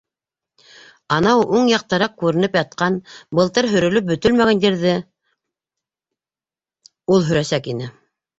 Анау, уң яҡтаныраҡ күренеп ятҡан, былтыр һөрөлөп бөтөлмәгән ерҙе ул һөрәсәк ине.